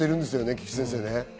菊地先生。